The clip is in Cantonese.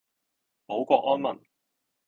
保國安民